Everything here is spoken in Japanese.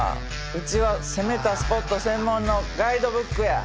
うちは攻めたスポット専門のガイドブックや。